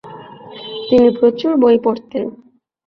তিনি প্রচুর বই পড়তেন।